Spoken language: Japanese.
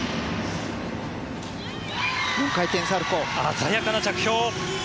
鮮やかな着氷！